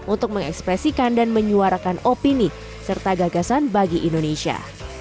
untuk mengekspresikan dan menyuarakan opini serta gagasan bagi indonesia